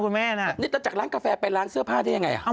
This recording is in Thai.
นี่แต่จากร้านกาแฟไปร้านเสื้อผ้าได้ยังไงอ่ะ